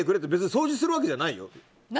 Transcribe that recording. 掃除するわけじゃないよ。